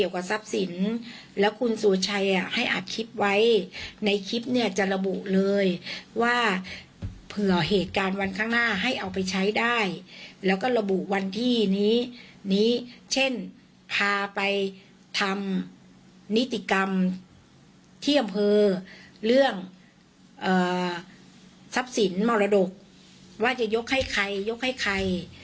ก็คือเรื่องทรัพย์สินมรดกว่าจะยกให้ใครยกให้ใคร